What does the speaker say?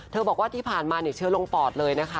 บอกว่าที่ผ่านมาเนี่ยเชื้อลงปอดเลยนะคะ